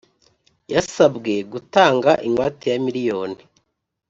yasabwe gutanga ingwate ya miliyoni